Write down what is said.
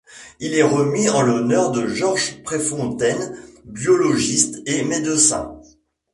Il est remis en l'honneur de Georges Préfontaine, biologiste et médecin.